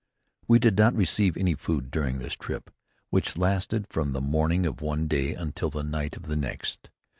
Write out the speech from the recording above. We did not receive any food during this trip, which lasted from the morning of one day until the night of the next.